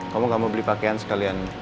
kamu gak mau beli pakaian sekalian